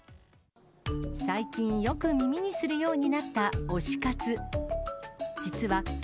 最近、よく耳にするようになった推し活。